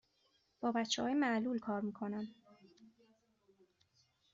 با بچه های معلول کار می کنم.